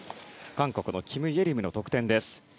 韓国のキム・イェリムの得点です。